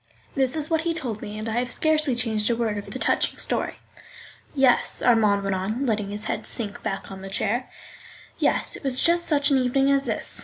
This is what he told me, and I have scarcely changed a word of the touching story. Yes (Armand went on, letting his head sink back on the chair), yes, it was just such an evening as this.